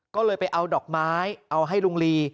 ก็เลยไปเอาดอกไม้เอาให้ลุงลี